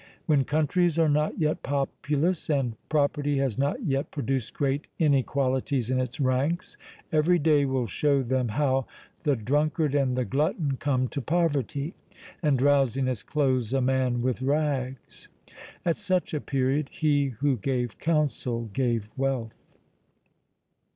When countries are not yet populous, and property has not yet produced great inequalities in its ranks, every day will show them how "the drunkard and the glutton come to poverty, and drowsiness clothes a man with rags." At such a period he who gave counsel gave wealth.